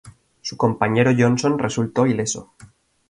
Su compañero Johnson resultó ileso.